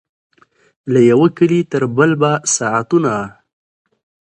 له یوه کلي تر بل به ساعتونه